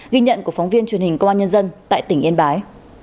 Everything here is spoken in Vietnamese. ghi nhận của phóng viên truyền hình công an nhân dân tại tỉnh yên bái